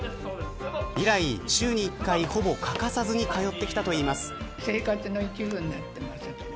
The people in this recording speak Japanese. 以来、週に一回ほぼ欠かさずに通ってきたといいます。